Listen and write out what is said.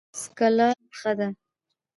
څکلا ښه ده.